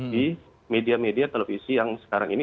di media media televisi yang sekarang ini